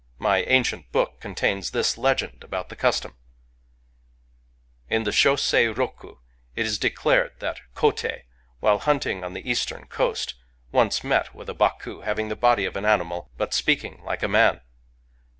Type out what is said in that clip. My ancient book contains this legend about the custom :— "In the Shosei'Roku it is declared that Kotei, while hunting on the Eastern coast, once met with a Baku having the body of an animal, but speaking like a man.